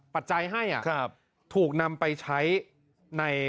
ปัจจัยให้ถูกนำไปใช้ใน